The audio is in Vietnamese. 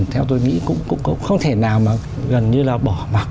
theo tôi nghĩ cũng không thể nào mà gần như là bỏ mặt